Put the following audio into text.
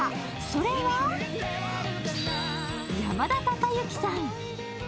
それは、山田孝之さん。